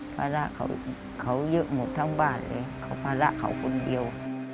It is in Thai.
ภาระเขาเยอะหมดทั้งบ้านเลยเขาภาระเขาคนเดียว